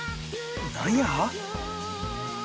何や？